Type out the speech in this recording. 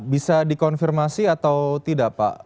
bisa dikonfirmasi atau tidak pak